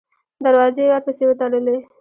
دروازې یې ورپسې وتړلې.